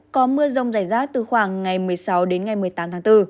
có mưa rông rải rác từ khoảng ngày một mươi sáu đến ngày một mươi tám tháng bốn